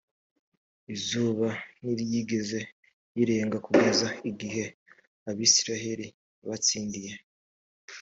izuba ntiryigeze rirenga kugeza igihe abisirayeli batsindiye